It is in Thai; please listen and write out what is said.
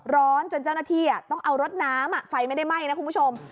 จนเจ้าหน้าที่ต้องเอารถน้ำไฟไม่ได้ไหม้นะคุณผู้ชม